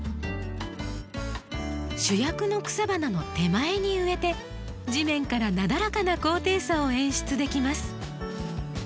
主役の草花の手前に植えて地面からなだらかな高低差を演出できます。